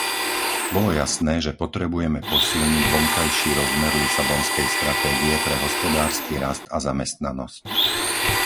Bolo jasné, že potrebujeme posilniť vonkajší rozmer lisabonskej stratégie pre hospodársky rast a zamestnanosť.